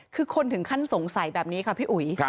คือคนถึงขั้นสงสัยแบบนี้ค่ะพี่อุ๋ย